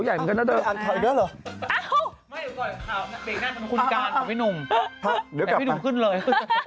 ให้พี่นุ่มขึ้นเลย